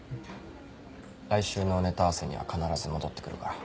来週のネタ合わせには必ず戻って来るから。